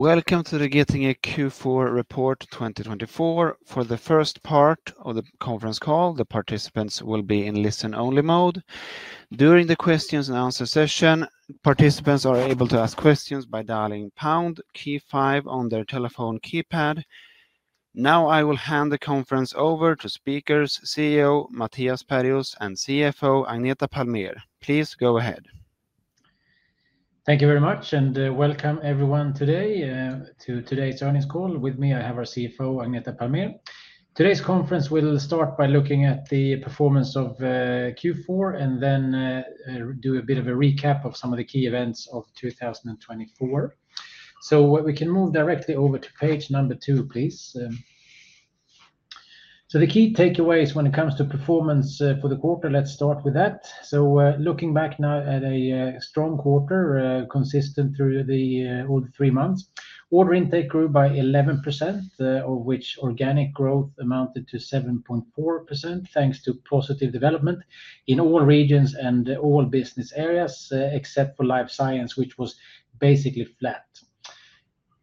Welcome to the Getinge Q4 Report 2024. For the first part of the conference call, the participants will be in listen-only mode. During the Q&A session, participants are able to ask questions by dialing #KEY5 on their telephone keypad. Now I will hand the conference over to our CEO Mattias Perjos and CFO Agneta Palmér. Please go ahead. Thank you very much, and welcome everyone today to today's earnings call. With me I have our CFO, Agneta Palmér. Today's conference will start by looking at the performance of Q4 and then do a bit of a recap of some of the key events of 2024. So we can move directly over to page number two, please. So the key takeaways when it comes to performance for the quarter, let's start with that. So looking back now at a strong quarter consistent through the all three months, order intake grew by 11%, of which organic growth amounted to 7.4%, thanks to positive development in all regions and all business areas except for Life Science, which was basically flat.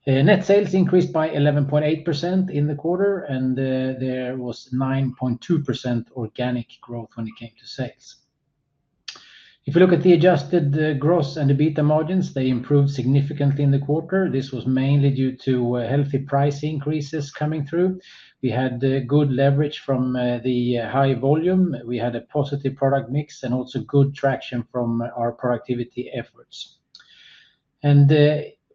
Net sales increased by 11.8% in the quarter, and there was 9.2% organic growth when it came to sales. If you look at the adjusted gross and the EBITDA margins, they improved significantly in the quarter. This was mainly due to healthy price increases coming through. We had good leverage from the high volume. We had a positive product mix and also good traction from our productivity efforts. When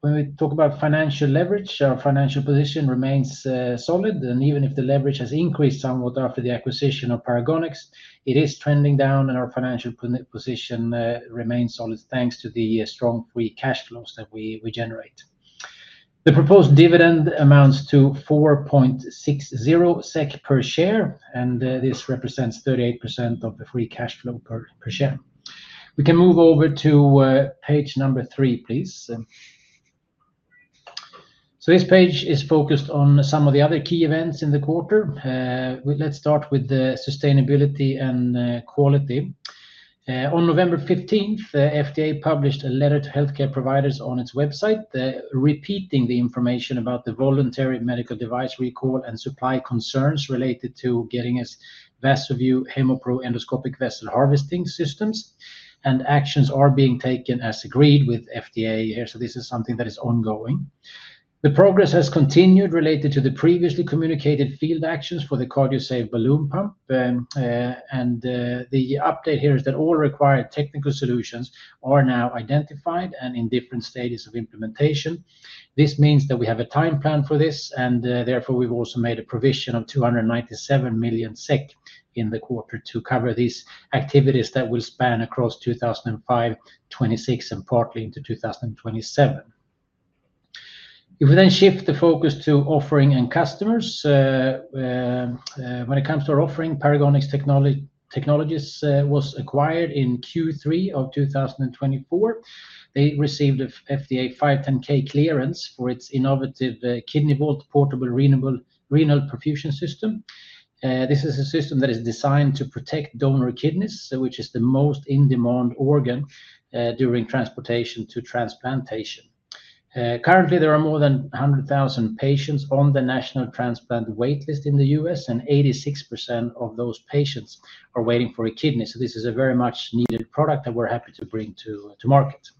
we talk about financial leverage, our financial position remains solid. Even if the leverage has increased somewhat after the acquisition of Paragonix, it is trending down, and our financial position remains solid thanks to the strong free cash flows that we generate. The proposed dividend amounts to 4.60 SEK per share, and this represents 38% of the free cash flow per share. We can move over to page number three, please. This page is focused on some of the other key events in the quarter. Let's start with sustainability and quality. On November 15th, the FDA published a letter to healthcare providers on its website, repeating the information about the voluntary medical device recall and supply concerns related to Getinge's VasoView HemoPro endoscopic vessel harvesting systems. Actions are being taken as agreed with FDA. This is something that is ongoing. The progress has continued related to the previously communicated field actions for the Cardiosave balloon pump. The update here is that all required technical solutions are now identified and in different stages of implementation. This means that we have a time plan for this, and therefore we've also made a provision of 297 million SEK in the quarter to cover these activities that will span across 2026 and partly into 2027. If we then shift the focus to offering and customers, when it comes to our offering, Paragonix Technologies was acquired in Q3 of 2024. They received an FDA 510(k) clearance for its innovative KidneyVault portable renal perfusion system. This is a system that is designed to protect donor kidneys, which is the most in-demand organ during transportation to transplantation. Currently, there are more than 100,000 patients on the national transplant waitlist in the US, and 86% of those patients are waiting for a kidney. So this is a very much needed product that we're happy to bring to market.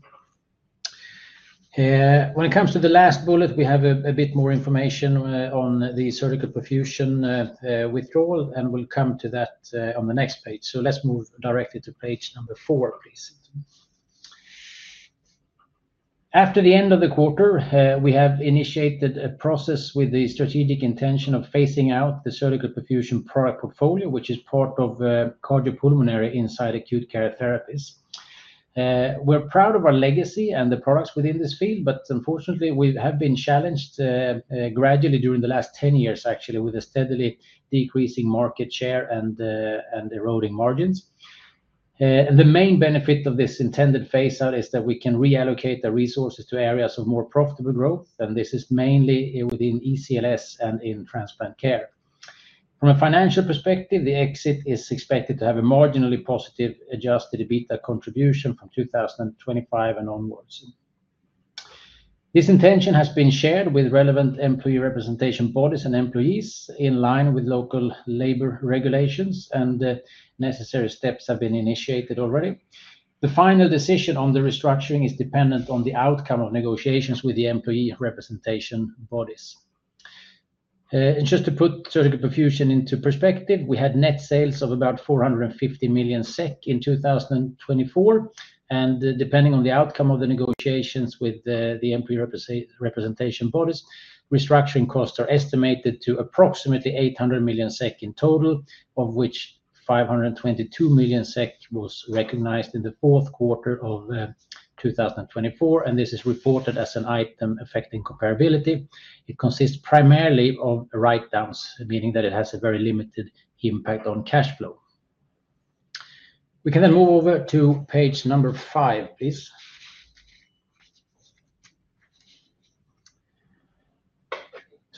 When it comes to the last bullet, we have a bit more information on the Surgical Perfusion withdrawal, and we'll come to that on the next page. So let's move directly to page number four, please. After the end of the quarter, we have initiated a process with the strategic intention of phasing out the Surgical Perfusion product portfolio, which is part of cardiopulmonary inside Acute Care Therapies. We're proud of our legacy and the products within this field, but unfortunately, we have been challenged gradually during the last 10 years, actually, with a steadily decreasing market share and eroding margins. And the main benefit of this intended phase-out is that we can reallocate the resources to areas of more profitable growth, and this is mainly within ECLS and in transplant care. From a financial perspective, the exit is expected to have a marginally positive adjusted beta contribution from 2025 and onwards. This intention has been shared with relevant employee representation bodies and employees in line with local labor regulations, and necessary steps have been initiated already. The final decision on the restructuring is dependent on the outcome of negotiations with the employee representation bodies. And just to put Surgical Perfusion into perspective, we had net sales of about 450 million SEK in 2024. Depending on the outcome of the negotiations with the employee representation bodies, restructuring costs are estimated to approximately 800 million SEK in total, of which 522 million SEK was recognized in the fourth quarter of 2024. This is reported as an item affecting comparability. It consists primarily of write-downs, meaning that it has a very limited impact on cash flow. We can then move over to page number five, please.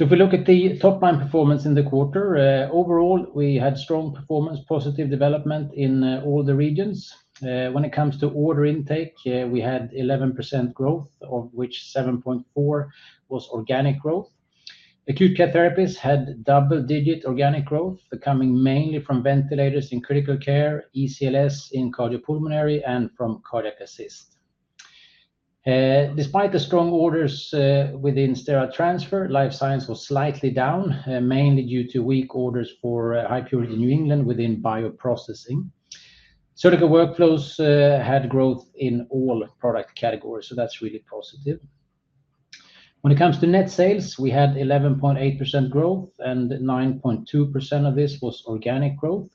If we look at the top-line performance in the quarter, overall, we had strong performance, positive development in all the regions. When it comes to order intake, we had 11% growth, of which 7.4% was organic growth. Acute Care Therapies had double-digit organic growth, coming mainly from ventilators in critical care, ECLS in Cardiopulmonary, and from Cardiac Assist. Despite the strong orders within Sterile Transfer, Life Science was slightly down, mainly due to weak orders for High Purity New England within Bioprocessing. Surgical Workflows had growth in all product categories, so that's really positive. When it comes to net sales, we had 11.8% growth, and 9.2% of this was organic growth.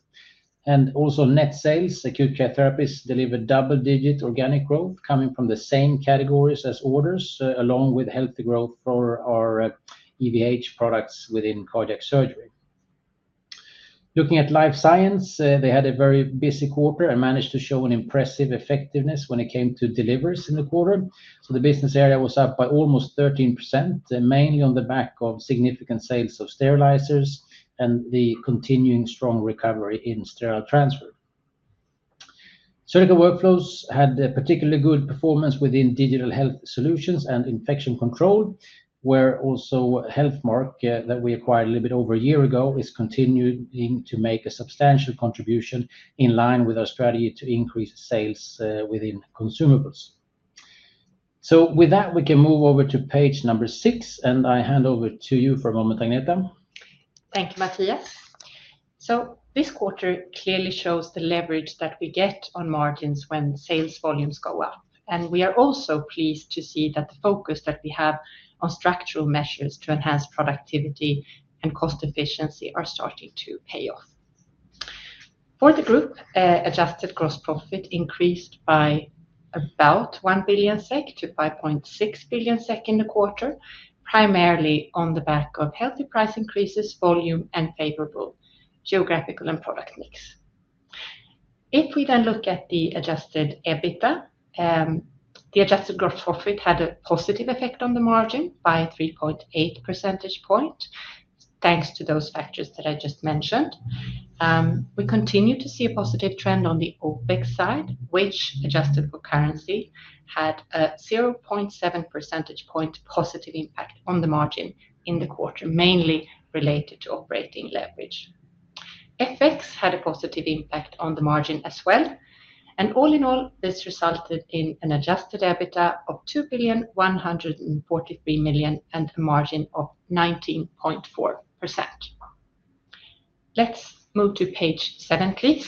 And also net sales, Acute Care Therapies delivered double-digit organic growth, coming from the same categories as orders, along with healthy growth for our EVH products within cardiac surgery. Looking at Life Science, they had a very busy quarter and managed to show an impressive effectiveness when it comes to deliveries in the quarter. So the business area was up by almost 13%, mainly on the back of significant sales of sterilizers and the continuing strong recovery in Sterile Transfer. Surgical Workflows had particularly good performance within digital health solutions and Infection Control, where also Healthmark, that we acquired a little bit over a year ago, is continuing to make a substantial contribution in line with our strategy to increase sales within consumables. So with that, we can move over to page number six, and I hand over to you for a moment, Agneta. Thank you, Mattias. So this quarter clearly shows the leverage that we get on margins when sales volumes go up. And we are also pleased to see that the focus that we have on structural measures to enhance productivity and cost efficiency are starting to pay off. For the group, adjusted gross profit increased by about 1 billion-5.6 billion SEK in the quarter, primarily on the back of healthy price increases, volume, and favorable geographical and product mix. If we then look at the adjusted EBITDA, the adjusted gross profit had a positive effect on the margin by 3.8 percentage points, thanks to those factors that I just mentioned. We continue to see a positive trend on the OpEx side, which adjusted for currency had a 0.7 percentage point positive impact on the margin in the quarter, mainly related to operating leverage. FX had a positive impact on the margin as well, and all in all, this resulted in an adjusted EBITDA of 2,143 million SEK and a margin of 19.4%. Let's move to page seven, please.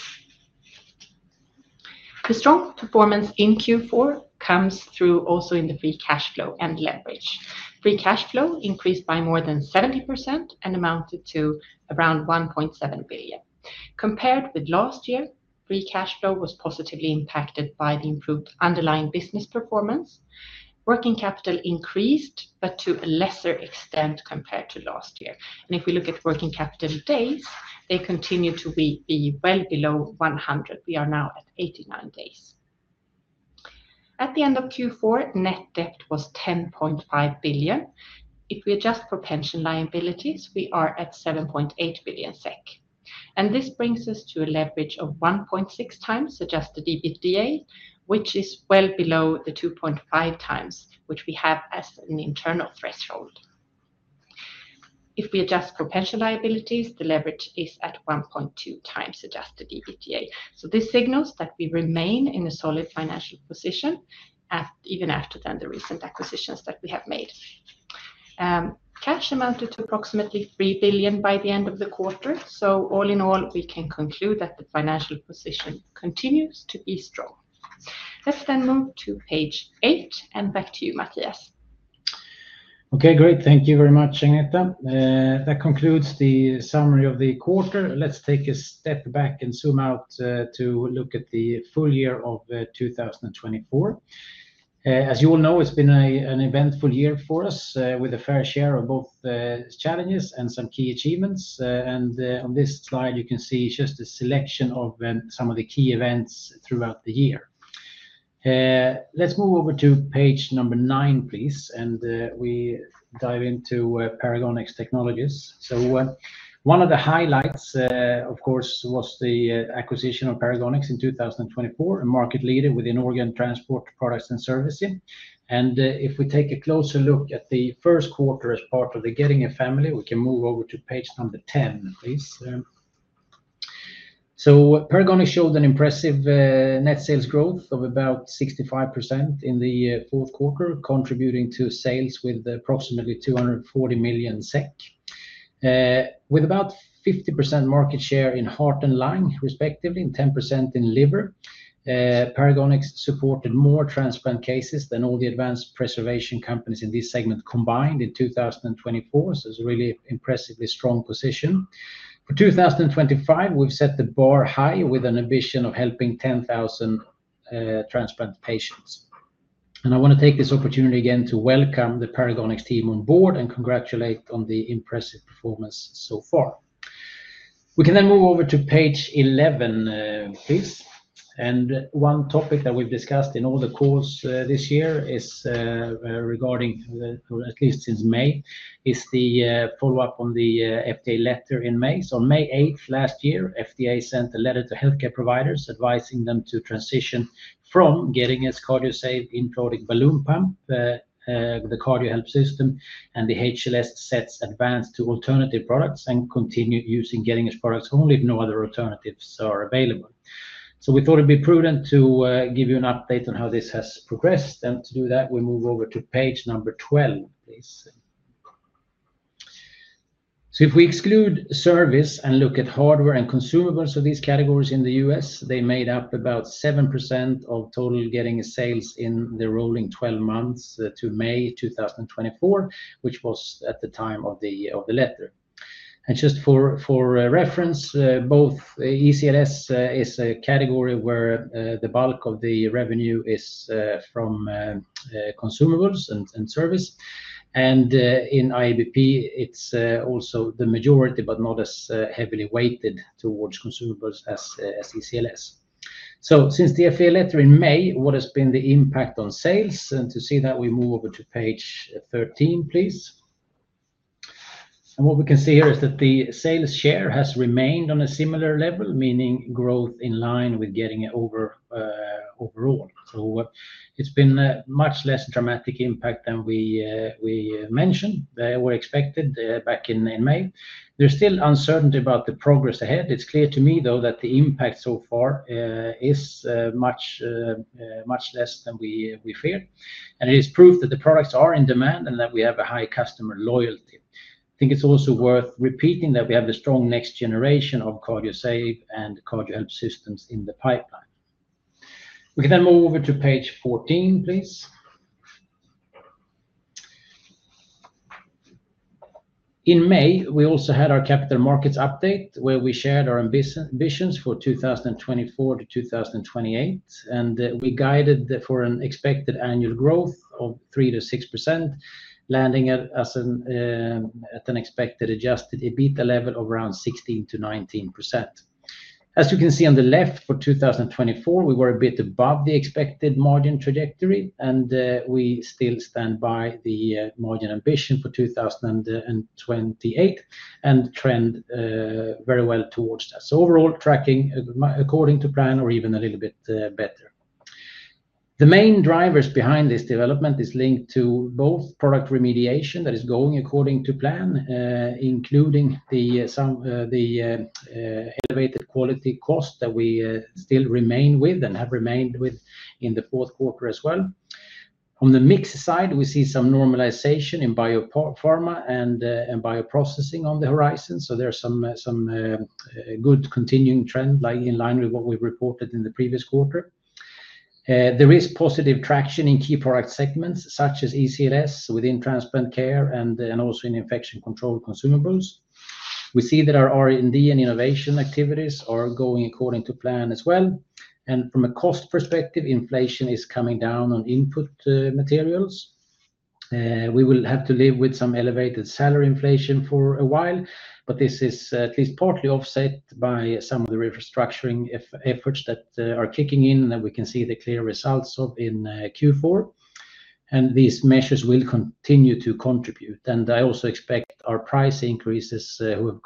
The strong performance in Q4 comes through also in the free cash flow and leverage. Free cash flow increased by more than 70% and amounted to around 1.7 billion SEK. Compared with last year, free cash flow was positively impacted by the improved underlying business performance. Working capital increased, but to a lesser extent compared to last year, and if we look at working capital days, they continue to be well below 100. We are now at 89 days. At the end of Q4, net debt was 10.5 billion SEK. If we adjust for pension liabilities, we are at 7.8 billion SEK. This brings us to a leverage of 1.6 times adjusted EBITDA, which is well below the 2.5 times which we have as an internal threshold. If we adjust for pension liabilities, the leverage is at 1.2 times adjusted EBITDA. So this signals that we remain in a solid financial position, even after the recent acquisitions that we have made. Cash amounted to approximately 3 billion by the end of the quarter. So all in all, we can conclude that the financial position continues to be strong. Let's then move to page eight, and back to you, Mattias. Okay, great. Thank you very much, Agneta. That concludes the summary of the quarter. Let's take a step back and zoom out to look at the full year of 2024. As you all know, it's been an eventful year for us with a fair share of both challenges and some key achievements. And on this slide, you can see just a selection of some of the key events throughout the year. Let's move over to page number nine, please, and we dive into Paragonix Technologies. So one of the highlights, of course, was the acquisition of Paragonix in 2024, a market leader within organ transport products and services. And if we take a closer look at the first quarter as part of the Getinge family, we can move over to page number 10, please. Paragonix showed an impressive net sales growth of about 65% in the fourth quarter, contributing to sales with approximately 240 million SEK, with about 50% market share in heart and lung, respectively, and 10% in liver. Paragonix supported more transplant cases than all the advanced preservation companies in this segment combined in 2024. It's a really impressively strong position. For 2025, we've set the bar high with an ambition of helping 10,000 transplant patients. I want to take this opportunity again to welcome the Paragonix team on board and congratulate on the impressive performance so far. We can then move over to page 11, please. One topic that we've discussed in all the calls this year, or at least since May, is the follow-up on the FDA letter in May. On May 8th last year, FDA sent a letter to healthcare providers advising them to transition from Getinge's Cardiosave intra-aortic balloon pump, the Cardiohelp system, and the HLS Sets Advanced to alternative products and continue using Getinge's products only if no other alternatives are available. We thought it'd be prudent to give you an update on how this has progressed. To do that, we move over to page number 12, please. If we exclude service and look at hardware and consumables of these categories in the U.S., they made up about 7% of total Getinge sales in the rolling 12 months to May 2024, which was at the time of the letter. Just for reference, both ECLS is a category where the bulk of the revenue is from consumables and service. In IABP, it's also the majority, but not as heavily weighted towards consumables as ECLS. Since the FDA letter in May, what has been the impact on sales? To see that, we move over to page 13, please. What we can see here is that the sales share has remained on a similar level, meaning growth in line with Getinge overall. It's been a much less dramatic impact than we mentioned or expected back in May. There's still uncertainty about the progress ahead. It's clear to me, though, that the impact so far is much less than we feared. It is proof that the products are in demand and that we have a high customer loyalty. I think it's also worth repeating that we have the strong next generation of Cardiosave and Cardiohelp systems in the pipeline. We can then move over to page 14, please. In May, we also had our capital markets update where we shared our ambitions for 2024 to 2028. And we guided for an expected annual growth of 3%-6%, landing at an expected adjusted EBITDA level of around 16%-19%. As you can see on the left, for 2024, we were a bit above the expected margin trajectory, and we still stand by the margin ambition for 2028 and trend very well towards that. So overall, tracking according to plan or even a little bit better. The main drivers behind this development are linked to both product remediation that is going according to plan, including the elevated quality cost that we still remain with and have remained with in the fourth quarter as well. On the mix side, we see some normalization in biopharma and bioprocessing on the horizon. So there's some good continuing trend in line with what we reported in the previous quarter. There is positive traction in key product segments such as ECLS within transplant care and also in infection control consumables. We see that our R&D and innovation activities are going according to plan as well. And from a cost perspective, inflation is coming down on input materials. We will have to live with some elevated salary inflation for a while, but this is at least partly offset by some of the restructuring efforts that are kicking in, and that we can see the clear results of in Q4. And these measures will continue to contribute. And I also expect our price increases, who have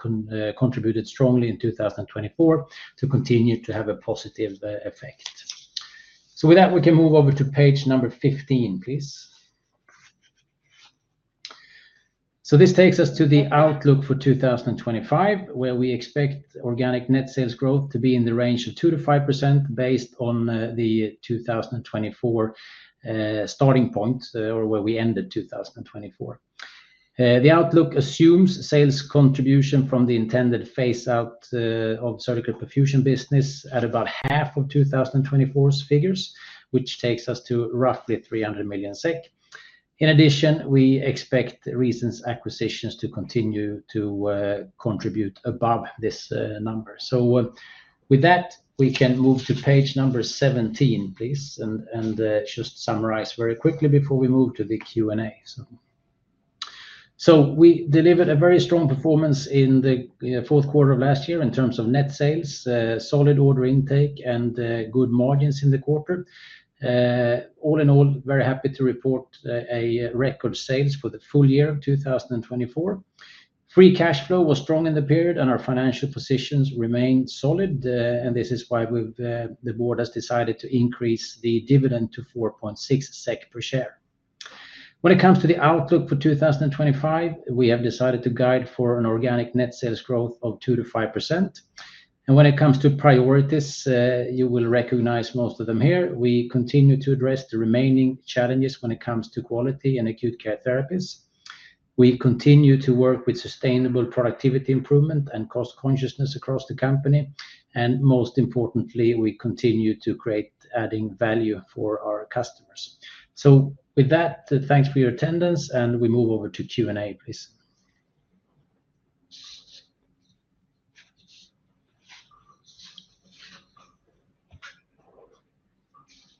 contributed strongly in 2024, to continue to have a positive effect. So with that, we can move over to page number 15, please. So this takes us to the outlook for 2025, where we expect organic net sales growth to be in the range of 2%-5% based on the 2024 starting point or where we ended 2024. The outlook assumes sales contribution from the intended phase-out of surgical perfusion business at about half of 2024's figures, which takes us to roughly 300 million SEK. In addition, we expect recent acquisitions to continue to contribute above this number. So with that, we can move to page number 17, please, and just summarize very quickly before we move to the Q&A. So we delivered a very strong performance in the fourth quarter of last year in terms of net sales, solid order intake, and good margins in the quarter. All in all, very happy to report record sales for the full year of 2024. Free cash flow was strong in the period, and our financial positions remained solid, and this is why the board has decided to increase the dividend to 4.6 SEK per share. When it comes to the outlook for 2025, we have decided to guide for an organic net sales growth of 2%-5%. When it comes to priorities, you will recognize most of them here. We continue to address the remaining challenges when it comes to quality and Acute Care Therapies. We continue to work with sustainable productivity improvement and cost consciousness across the company. And most importantly, we continue to create adding value for our customers, so with that, thanks for your attendance, and we move over to Q&A, please.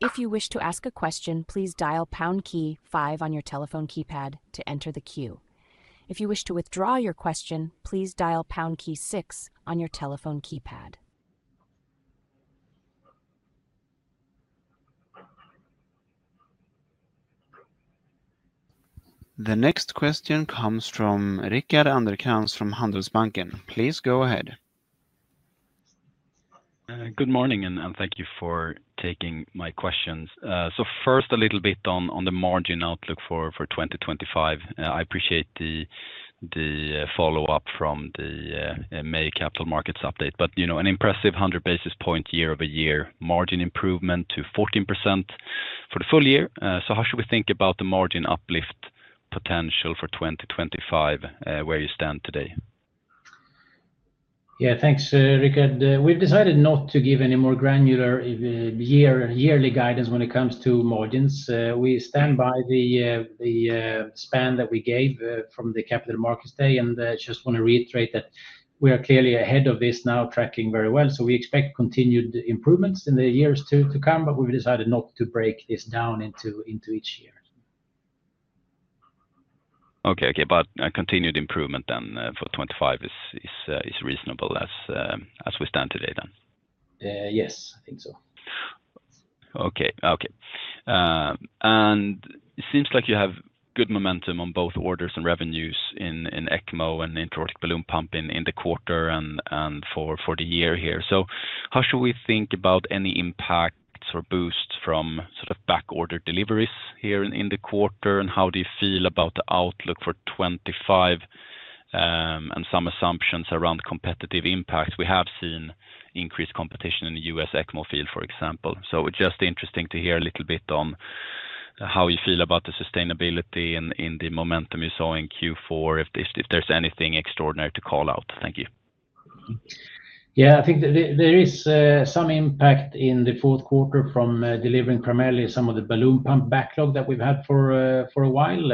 If you wish to ask a question, please dial pound key five on your telephone keypad to enter the queue. If you wish to withdraw your question, please dial pound key six on your telephone keypad. The next question comes from Rickard Anderkrans from Handelsbanken. Please go ahead. Good morning, and thank you for taking my questions. So first, a little bit on the margin outlook for 2025. I appreciate the follow-up from the May capital markets update. But an impressive 100 basis points year-over-year margin improvement to 14% for the full year. So how should we think about the margin uplift potential for 2025 where you stand today? Yeah, thanks, Rickard. We've decided not to give any more granular yearly guidance when it comes to margins. We stand by the span that we gave from the Capital Markets Day, and I just want to reiterate that we are clearly ahead of this now, tracking very well. So we expect continued improvements in the years to come, but we've decided not to break this down into each year. Okay, okay. But continued improvement then for 2025 is reasonable as we stand today then? Yes, I think so. Okay, okay. And it seems like you have good momentum on both orders and revenues in ECMO and intra-aortic balloon pump in the quarter and for the year here. So how should we think about any impacts or boosts from sort of back-order deliveries here in the quarter? And how do you feel about the outlook for 2025 and some assumptions around competitive impact? We have seen increased competition in the U.S. ECMO field, for example. So it's just interesting to hear a little bit on how you feel about the sustainability and the momentum you saw in Q4, if there's anything extraordinary to call out. Thank you. Yeah, I think there is some impact in the fourth quarter from delivering primarily some of the balloon pump backlog that we've had for a while.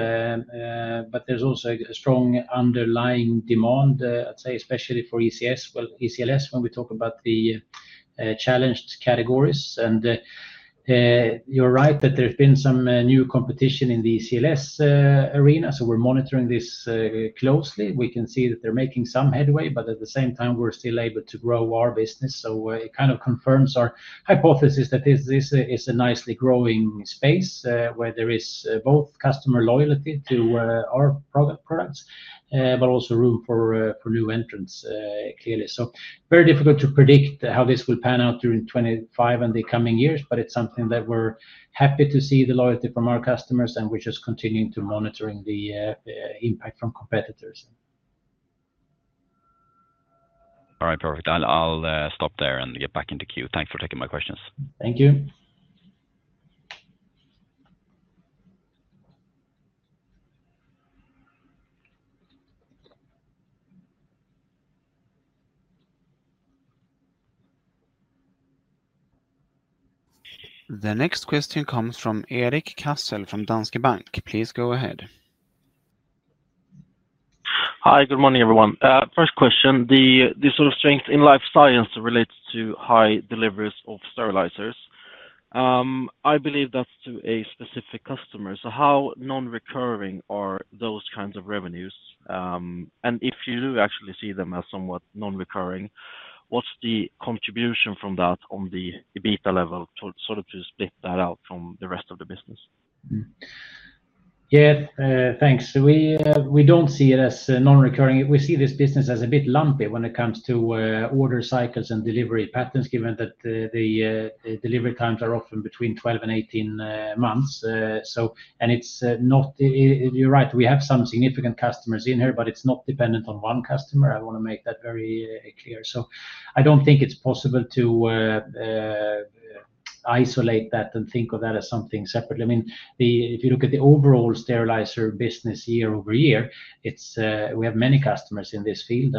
But there's also a strong underlying demand, I'd say, especially for ECLS when we talk about the challenged categories. And you're right that there's been some new competition in the ECLS arena. So we're monitoring this closely. We can see that they're making some headway, but at the same time, we're still able to grow our business. So it kind of confirms our hypothesis that this is a nicely growing space where there is both customer loyalty to our products, but also room for new entrants, clearly. So, very difficult to predict how this will pan out during 2025 and the coming years, but it's something that we're happy to see the loyalty from our customers, and we're just continuing to monitor the impact from competitors. All right, perfect. I'll stop there and get back into queue. Thanks for taking my questions. Thank you. The next question comes from Erik Cassel from Danske Bank. Please go ahead. Hi, good morning, everyone. First question, the sort of strength in Life Science relates to high deliveries of sterilizers. I believe that's to a specific customer. So how non-recurring are those kinds of revenues? And if you do actually see them as somewhat non-recurring, what's the contribution from that on the EBITDA level sort of to split that out from the rest of the business? Yeah, thanks. We don't see it as non-recurring. We see this business as a bit lumpy when it comes to order cycles and delivery patterns, given that the delivery times are often between 12 and 18 months. You're right, we have some significant customers in here, but it's not dependent on one customer. I want to make that very clear. I don't think it's possible to isolate that and think of that as something separately. I mean, if you look at the overall sterilizer business year over year, we have many customers in this field.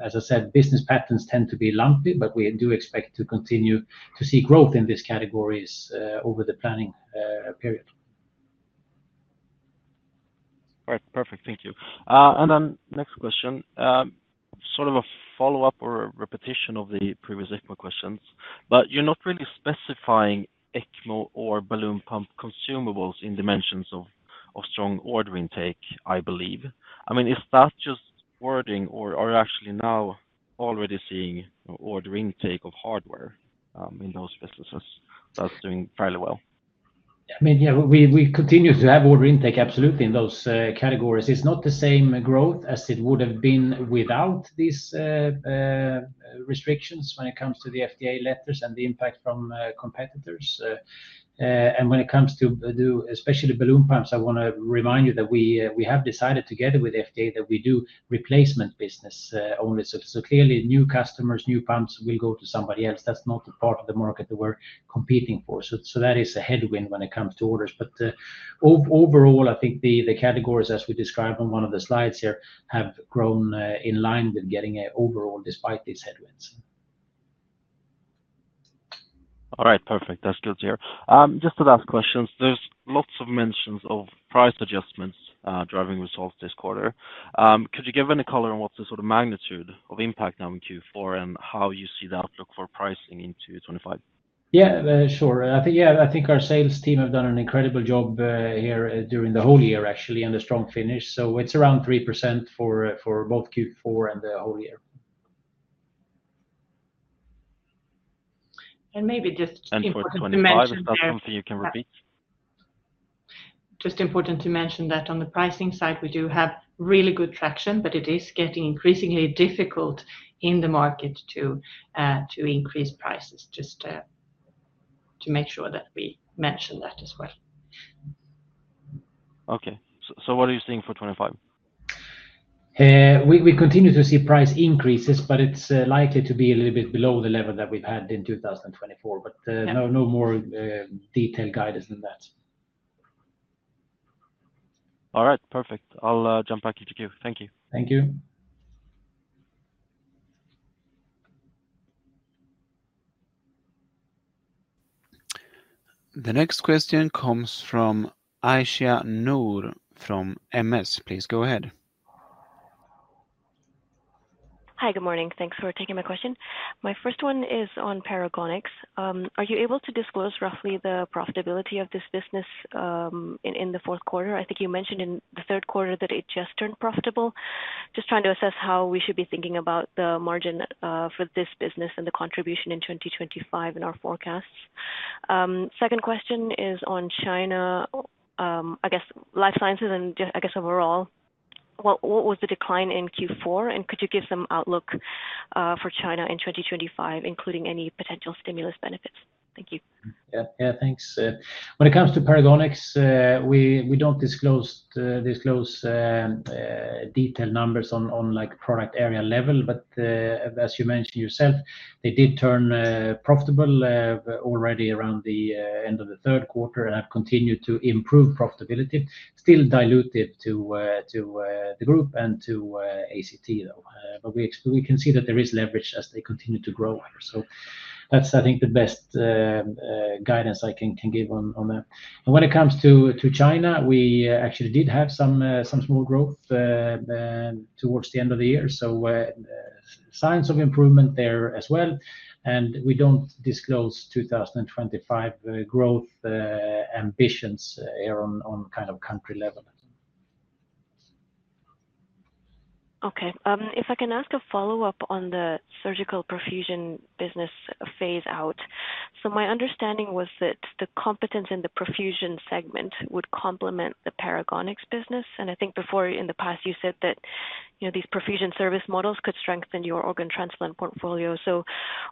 As I said, business patterns tend to be lumpy, but we do expect to continue to see growth in these categories over the planning period. All right, perfect. Thank you. And then next question, sort of a follow-up or a repetition of the previous ECMO questions. But you're not really specifying ECMO or balloon pump consumables in dimensions of strong order intake, I believe. I mean, is that just wording, or are you actually now already seeing order intake of hardware in those businesses that's doing fairly well? I mean, yeah, we continue to have order intake, absolutely, in those categories. It's not the same growth as it would have been without these restrictions when it comes to the FDA letters and the impact from competitors. And when it comes to those, especially balloon pumps, I want to remind you that we have decided together with the FDA that we do replacement business only. So clearly, new customers, new pumps will go to somebody else. That's not the part of the market that we're competing for. So that is a headwind when it comes to orders. But overall, I think the categories, as we described on one of the slides here, have grown in line with Getinge overall despite these headwinds. All right, perfect. That's good to hear. Just two last questions, there's lots of mentions of price adjustments driving results this quarter. Could you give any color on what's the sort of magnitude of impact now in Q4 and how you see the outlook for pricing into 2025? Yeah, sure. I think our sales team have done an incredible job here during the whole year, actually, and a strong finish. So it's around 3% for both Q4 and the whole year. Maybe just. Important to mention that something you can repeat? Just important to mention that on the pricing side, we do have really good traction, but it is getting increasingly difficult in the market to increase prices. Just to make sure that we mention that as well. Okay. So what are you seeing for 2025? We continue to see price increases, but it's likely to be a little bit below the level that we've had in 2024. But no more detailed guidance than that. All right, perfect. I'll jump back into queue. Thank you. Thank you. The next question comes from Aisyah Noor from MS. Please go ahead. Hi, good morning. Thanks for taking my question. My first one is on Paragonix. Are you able to disclose roughly the profitability of this business in the fourth quarter? I think you mentioned in the third quarter that it just turned profitable. Just trying to assess how we should be thinking about the margin for this business and the contribution in 2025 in our forecasts. Second question is on China. I guess life sciences and just, I guess, overall, what was the decline in Q4? And could you give some outlook for China in 2025, including any potential stimulus benefits? Thank you. Yeah, thanks. When it comes to Paragonix, we don't disclose detailed numbers on product area level. But as you mentioned yourself, they did turn profitable already around the end of the third quarter and have continued to improve profitability. Still diluted to the group and to ACT, though. But we can see that there is leverage as they continue to grow here. So that's, I think, the best guidance I can give on that. And when it comes to China, we actually did have some small growth towards the end of the year. So signs of improvement there as well. And we don't disclose 2025 growth ambitions here on kind of country level. Okay. If I can ask a follow-up on the Surgical Perfusion business phase-out. So my understanding was that the competence in the perfusion segment would complement the Paragonix business. And I think before, in the past, you said that these perfusion service models could strengthen your organ transplant portfolio. So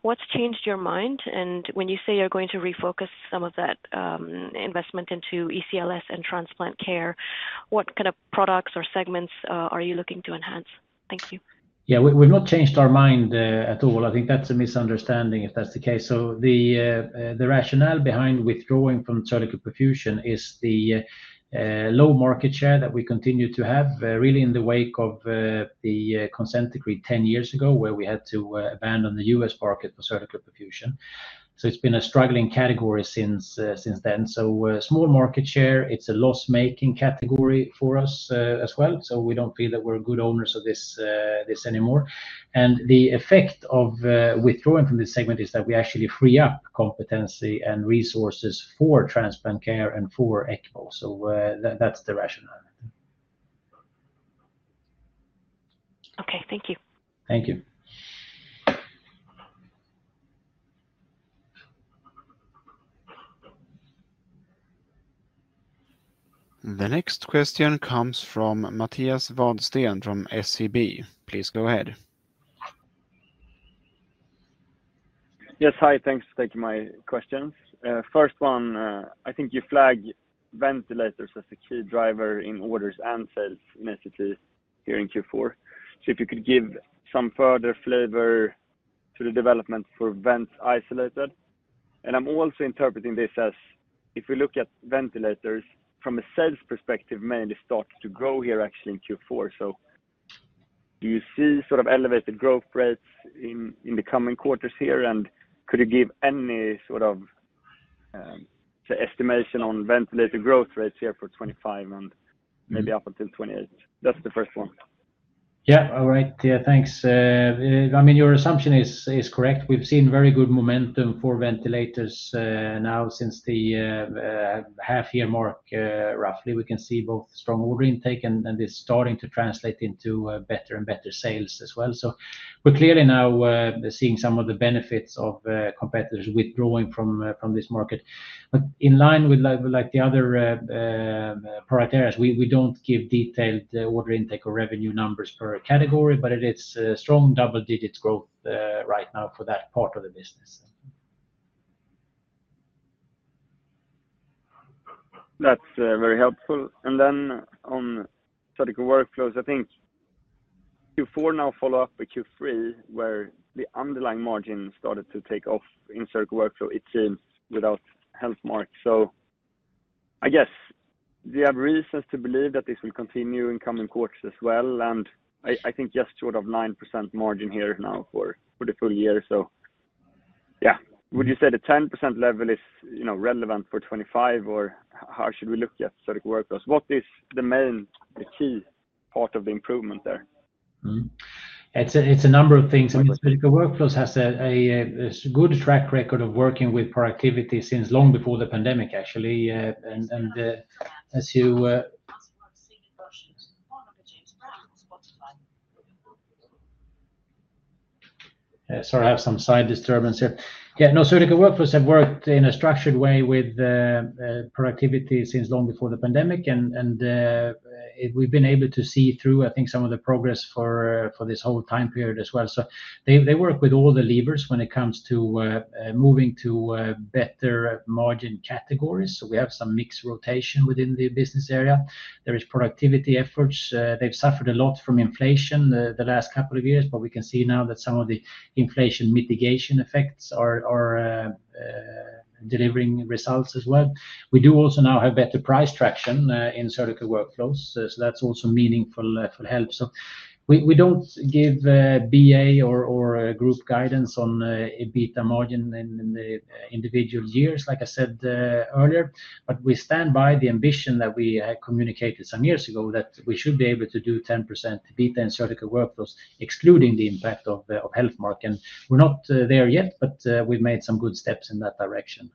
what's changed your mind? And when you say you're going to refocus some of that investment into ECLS and transplant care, what kind of products or segments are you looking to enhance? Thank you. Yeah, we've not changed our mind at all. I think that's a misunderstanding if that's the case. So the rationale behind withdrawing from Surgical Perfusion is the low market share that we continue to have, really in the wake of the Consent Decree 10 years ago where we had to abandon the US market for Surgical Perfusion. So it's been a struggling category since then. So small market share, it's a loss-making category for us as well. So we don't feel that we're good owners of this anymore. And the effect of withdrawing from this segment is that we actually free up competency and resources for transplant care and for ECMO. So that's the rationale. Okay, thank you. Thank you. The next question comes from Mattias Vadsten from SEB. Please go ahead. Yes, hi, thanks for taking my questions. First one, I think you flag ventilators as a key driver in orders and sales initially here in Q4. So if you could give some further flavor to the development for vents isolated? And I'm also interpreting this as if we look at ventilators from a sales perspective, mainly start to grow here actually in Q4. So do you see sort of elevated growth rates in the coming quarters here? And could you give any sort of estimation on ventilator growth rates here for 2025 and maybe up until 2028? That's the first one. Yeah, all right. Yeah, thanks. I mean, your assumption is correct. We've seen very good momentum for ventilators now since the half-year mark, roughly. We can see both strong order intake and this starting to translate into better and better sales as well. So we're clearly now seeing some of the benefits of competitors withdrawing from this market. But in line with the other product areas, we don't give detailed order intake or revenue numbers per category, but it is strong double-digit growth right now for that part of the business. That's very helpful. And then on surgical workflows, I think Q4 now followed up with Q3, where the underlying margin started to take off in surgical workflow, it seems, without Healthmark. So I guess do you have reasons to believe that this will continue in coming quarters as well? And I think just sort of 9% margin here now for the full year. So yeah, would you say the 10% level is relevant for 2025, or how should we look at surgical workflows? What is the main key part of the improvement there? It's a number of things. I mean, Surgical Workflows has a good track record of working with productivity since long before the pandemic, actually. Surgical Workflows have worked in a structured way with productivity since long before the pandemic. And we've been able to see through, I think, some of the progress for this whole time period as well. So they work with all the levers when it comes to moving to better margin categories. So we have some mixed rotation within the business area. There are productivity efforts. They've suffered a lot from inflation the last couple of years, but we can see now that some of the inflation mitigation effects are delivering results as well. We do also now have better price traction in Surgical Workflows. So that's also meaningful help. So we don't give BA or group guidance on EBITDA margin in the individual years, like I said earlier, but we stand by the ambition that we communicated some years ago that we should be able to do 10% EBITDA in Surgical Workflows, excluding the impact of Healthmark, and we're not there yet, but we've made some good steps in that direction.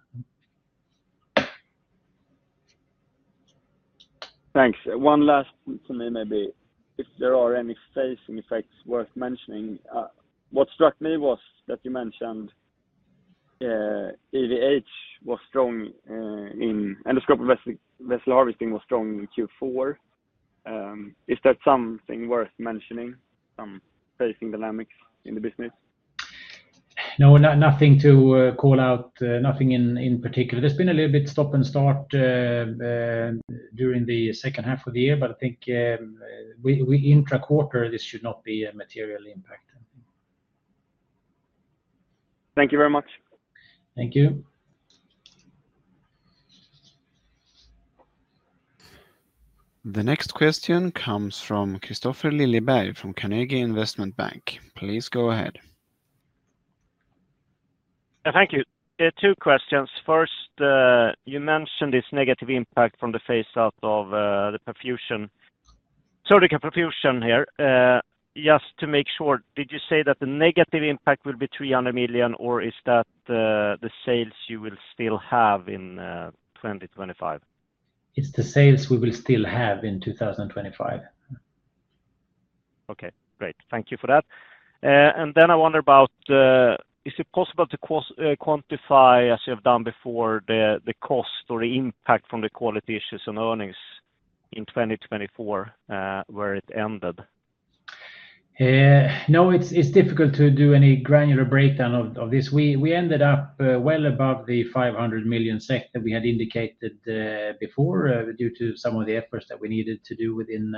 Thanks. One last point for me, maybe. If there are any phasing effects worth mentioning, what struck me was that you mentioned EVH was strong in endoscopic vessel harvesting in Q4. Is that something worth mentioning, some phasing dynamics in the business? No, nothing to call out, nothing in particular. There's been a little bit of stop and start during the second half of the year, but I think intra-quarter, this should not be a material impact. Thank you very much. Thank you. The next question comes from Kristofer Liljeberg from Carnegie Investment Bank. Please go ahead. Thank you. Two questions. First, you mentioned this negative impact from the phase-out of the perfusion, Surgical Perfusion here. Just to make sure, did you say that the negative impact will be 300 million, or is that the sales you will still have in 2025? It's the sales we will still have in 2025. Okay, great. Thank you for that. And then I wonder about, is it possible to quantify, as you have done before, the cost or the impact from the quality issues and earnings in 2024 where it ended? No, it's difficult to do any granular breakdown of this. We ended up well above the 500 million SEK sector we had indicated before due to some of the efforts that we needed to do within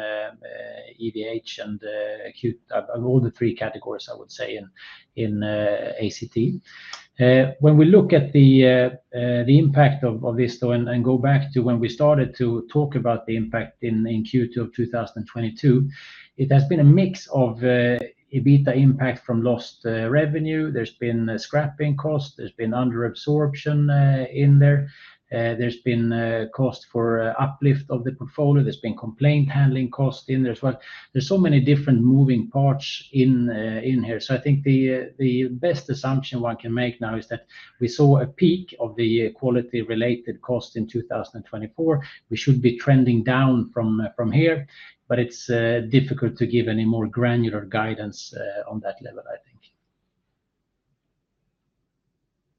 EVH and acute, all the three categories, I would say, in ACT. When we look at the impact of this and go back to when we started to talk about the impact in Q2 of 2022, it has been a mix of EBITDA impact from lost revenue. There's been scrapping costs. There's been under absorption in there. There's been cost for uplift of the portfolio. There's been complaint handling cost in there as well. There's so many different moving parts in here. So I think the best assumption one can make now is that we saw a peak of the quality-related cost in 2024. We should be trending down from here, but it's difficult to give any more granular guidance on that level, I think.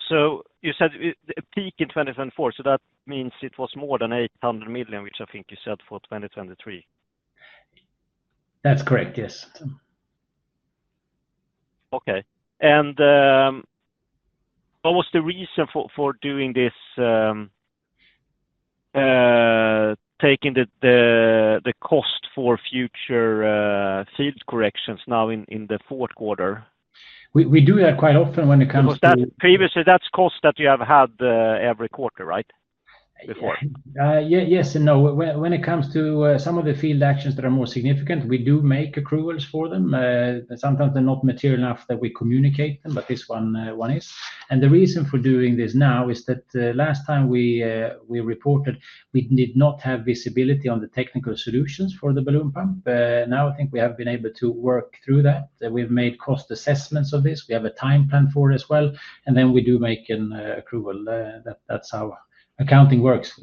So you said a peak in 2024. So that means it was more than 800 million, which I think you said for 2023. That's correct, yes. Okay, and what was the reason for doing this, taking the cost for future field corrections now in the fourth quarter? We do that quite often when it comes to. Previously, that's cost that you have had every quarter, right, before? Yes and no. When it comes to some of the field actions that are more significant, we do make accruals for them. Sometimes they're not material enough that we communicate them, but this one is. And the reason for doing this now is that last time we reported, we did not have visibility on the technical solutions for the balloon pump. Now I think we have been able to work through that. We've made cost assessments of this. We have a time plan for it as well. And then we do make an accrual. That's how accounting works.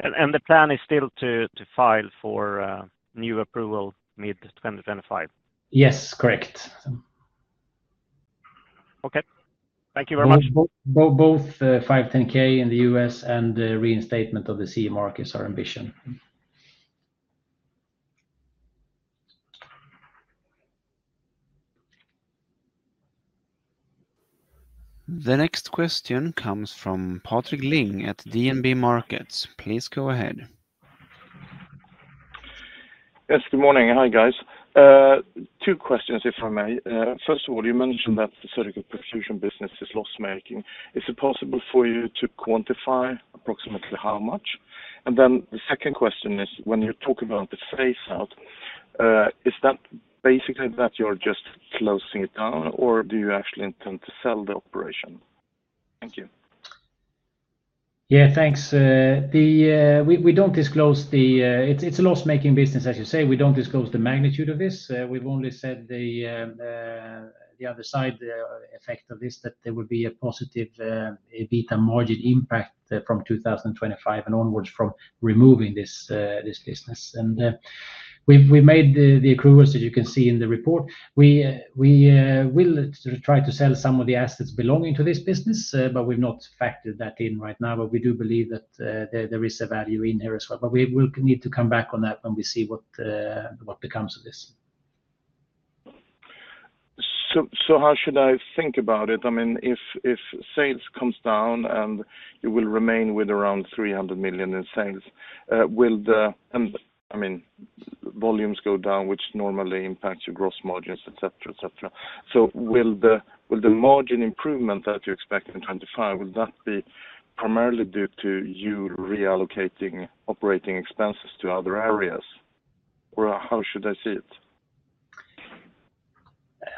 The plan is still to file for new accrual mid-2025? Yes, correct. Okay. Thank you very much. Both 510(k) in the US and the reinstatement of the CE mark are ambitions. The next question comes from Patrik Ling at DNB Markets. Please go ahead. Yes, good morning. Hi, guys. Two questions here from me. First of all, you mentioned that the Surgical Perfusion business is loss-making. Is it possible for you to quantify approximately how much? And then the second question is, when you talk about the phase-out, is that basically that you're just closing it down, or do you actually intend to sell the operation? Thank you. Yeah, thanks. We don't disclose it. It's a loss-making business, as you say. We don't disclose the magnitude of this. We've only said the other side effect of this, that there would be a positive EBITDA margin impact from 2025 and onwards from removing this business, and we've made the accruals that you can see in the report. We will try to sell some of the assets belonging to this business, but we've not factored that in right now, but we do believe that there is a value in here as well, but we will need to come back on that when we see what becomes of this. So how should I think about it? I mean, if sales comes down and you will remain with around 300 million in sales, will the, I mean, volumes go down, which normally impacts your gross margins, etc., etc.? So will the margin improvement that you expect in 2025, will that be primarily due to you reallocating operating expenses to other areas? Or how should I see it?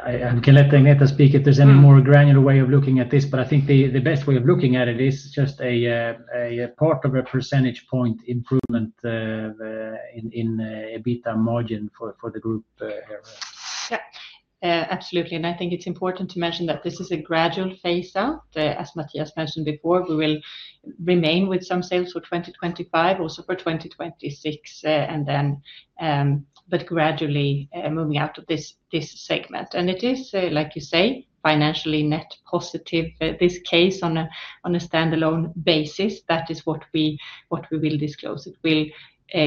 I'm gonna let Agneta speak if there's any more granular way of looking at this, but I think the best way of looking at it is just a part of a percentage point improvement in EBITDA margin for the group here. Yeah, absolutely. And I think it's important to mention that this is a gradual phase-out. As Mattias mentioned before, we will remain with some sales for 2025, also for 2026, but gradually moving out of this segment. And it is, like you say, financially net positive. This case on a standalone basis, that is what we will disclose. It will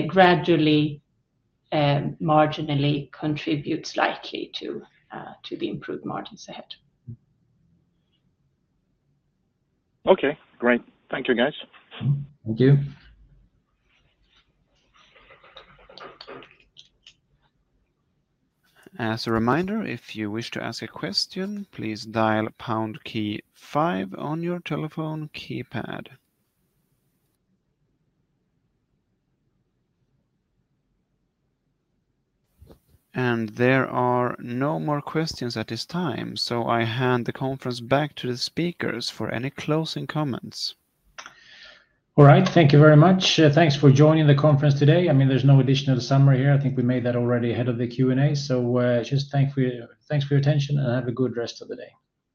gradually marginally contribute slightly to the improved margins ahead. Okay, great. Thank you, guys. Thank you. As a reminder, if you wish to ask a question, please dial pound key five on your telephone keypad, and there are no more questions at this time, so I hand the conference back to the speakers for any closing comments. All right, thank you very much. Thanks for joining the conference today. I mean, there's no additional summary here. I think we made that already ahead of the Q&A. So just thanks for your attention and have a good rest of the day.